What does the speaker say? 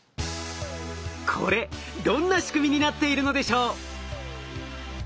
これどんな仕組みになっているのでしょう？